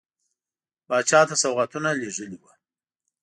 پاچا ته سوغاتونه لېږلي وه.